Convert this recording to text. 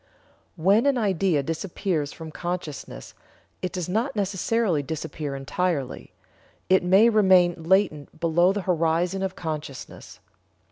When an idea disappears from consciousness it does not necessarily disappear entirely; it may remain latent below the horizon of consciousness.